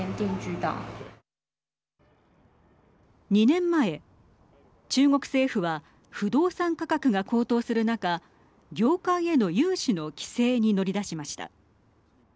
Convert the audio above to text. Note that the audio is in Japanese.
２年前、中国政府は不動産価格が高騰する中業界への融資の規制に乗り出しました。